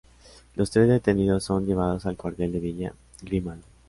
Los tres detenidos son llevados al cuartel de Villa Grimaldi.